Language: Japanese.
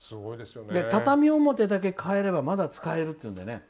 畳表だけ変えればまだ使えるというのでね。